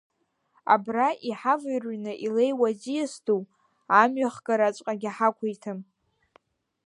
Абра иҳавҩрны илеиуа аӡиас ду амҩахгараҵәҟьагьы ҳақуиҭым!